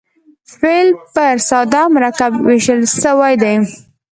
فعل پر ساده او مرکب وېشل سوی دئ.